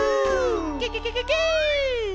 ケケケケケ。